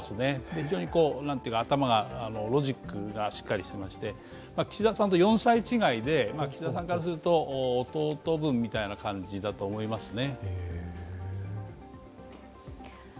非常に頭がロジックがしっかりしていまして岸田さんと４歳違いで、岸田さんからすると弟分みたいな感じだと思いますね。